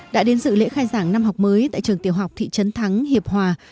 đã đến dự lễ khai giảng năm học mới tại trường tiểu học thị trấn thắng hiệp hòa